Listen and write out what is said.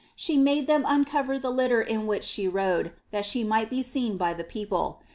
She made them uncover the litter in which ihe rode, that she might be seen by the people.